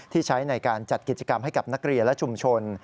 ใช้ในการจัดกิจกรรมให้กับนักเรียนและชุมชน